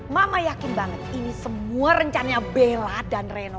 mama yakin banget ini semua rencana bella dan reno